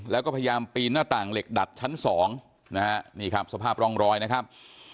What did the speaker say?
แล้วก็พยายามปีนหน้าต่างเหล็กดัดชั้นสองนะฮะนี่ครับสภาพร่องรอยนะครับ